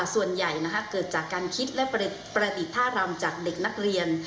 ส่วนใหญ่นะครับเกิดจากการคิดและประติธรรมจากเด็กนักเรียน